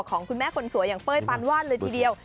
ของคุณแม่คนสวยอย่างเป้ยปานวาดเลยทีเดียว